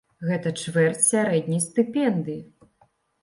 Гэта чвэрць сярэдняй стыпендыі!